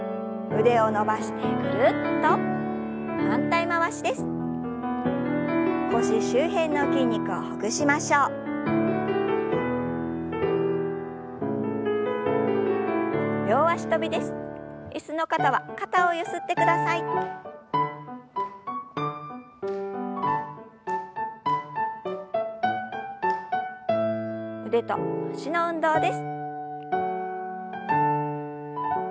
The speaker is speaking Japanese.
腕と脚の運動です。